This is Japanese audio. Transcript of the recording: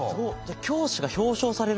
教師が表彰されるんだ。